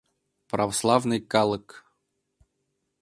— Православный калык!